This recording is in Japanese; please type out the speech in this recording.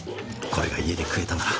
これが家で食えたなら。